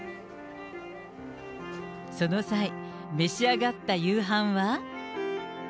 その際、召し上がった夕飯は。